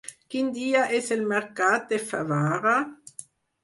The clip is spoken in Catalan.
Quin dia és el mercat de Favara?